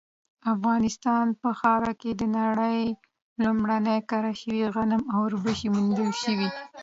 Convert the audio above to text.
افغانستان په خاوره کې د نړۍ لومړني کره شوي غنم او وربشې موندل شوي